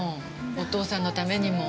お父さんのためにも。